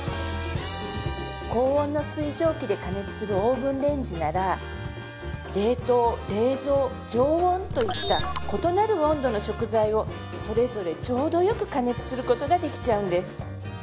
高温の水蒸気で加熱するオーブンレンジなら冷凍冷蔵常温といった異なる温度の食材をそれぞれちょうどよく加熱することができちゃうんです